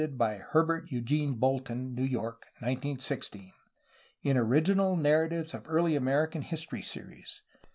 ed. by Heroert Eugene Bolton (New York. 1916), in Original narra tives of early American history series.